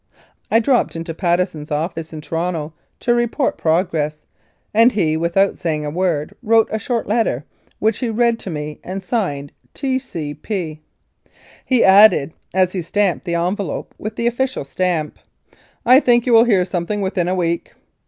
I dropped into Patteson's office in Toronto to report progress, and he, without saying a word, wrote a short letter, which he read to me and signed "T. C. P." He added, as he stamped the envelope with the official stamp, "I think you will hear something within a week."